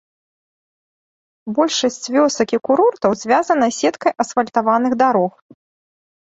Большасць вёсак і курортаў звязана сеткай асфальтаваных дарог.